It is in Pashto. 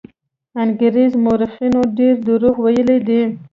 انګرېز مورخینو ډېر دروغ ویلي دي.